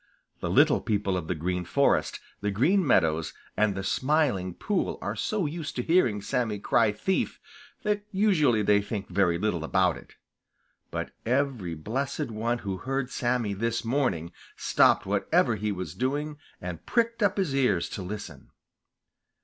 The little people of the Green Forest, the Green Meadows, and the Smiling Pool are so used to hearing Sammy cry thief that usually they think very little about it. But every blessed one who heard Sammy this morning stopped whatever he was doing and pricked up his ears to listen.